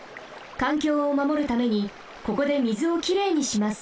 かんきょうをまもるためにここで水をきれいにします。